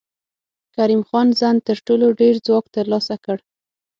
کریم خان زند تر ټولو ډېر ځواک تر لاسه کړ.